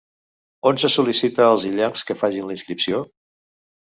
On se sol·licita als illencs que facin la inscripció?